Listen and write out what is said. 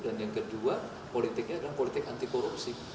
dan yang kedua politiknya adalah politik anti korupsi